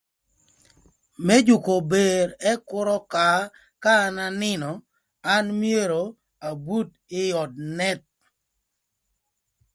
Më jükö ober ëk kür ökaa ka an anïnö an myero abut ï öd nët.